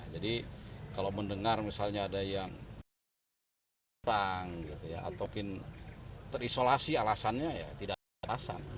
kalau mendengar misalnya ada yang kurang ataupun terisolasi alasannya ya tidak ada alasan